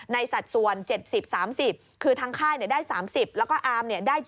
สัดส่วน๗๐๓๐คือทางค่ายได้๓๐แล้วก็อาร์ม